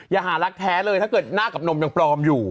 อย่าหารักแท้เลยถ้าเกิดหน้ากับนมยังปลอมอยู่